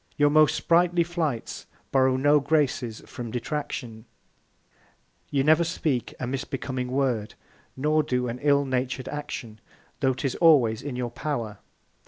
Your most sprightly Flights borrow no Graces from Detraction; you never speak a misbecoming Word, nor do an ill natur'd Action, tho' 'tis always in your Power.